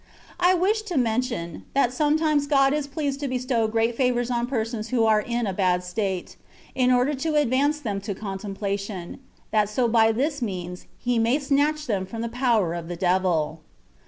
I wish to mention, that sometimes God is pleased to bestow great favours on persons who are in a bad state, in order to advance them to contemplation, that so by this means He may snatch them &om the power of the devil.